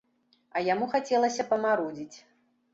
А яму хацелася памарудзіць.